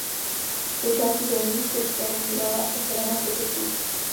Součástí Dolní Chřibské bývala osada Na Potocích.